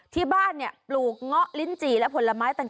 ที่บ้านปลูกเงาะลิ้นจี่และผลไม้ต่าง